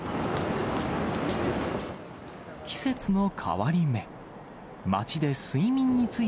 季節の変わり目。